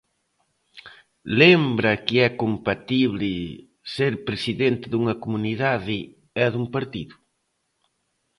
Lembra que é compatible ser presidente dunha comunidade e dun partido.